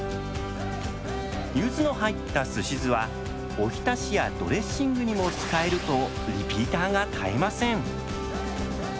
ゆずの入ったすし酢はお浸しやドレッシングにも使えるとリピーターが絶えません。